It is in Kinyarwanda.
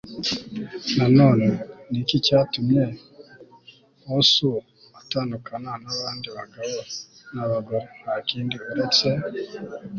na none. niki cyatumye osu itandukana nabandi bagabo nabagore? nta kindi uretse